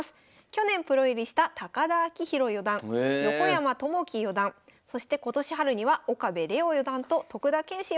去年プロ入りした田明浩四段横山友紀四段そして今年春には岡部怜央四段と徳田拳士